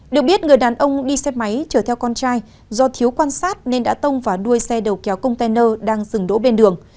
được biết người đàn ông đi xe máy chở theo con trai do thiếu quan sát nên đã tông vào đuôi xe đầu kéo container đang dừng đỗ bên đường